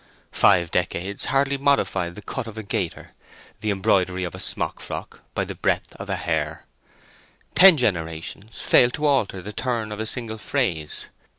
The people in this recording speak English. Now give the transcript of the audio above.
Five decades hardly modified the cut of a gaiter, the embroidery of a smock frock, by the breadth of a hair. Ten generations failed to alter the turn of a single phrase.